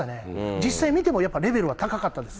実際見てもやっぱりレベルは高かったです。